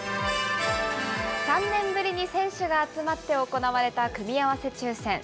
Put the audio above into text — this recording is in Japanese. ３年ぶりに選手が集まって行われた組み合わせ抽せん。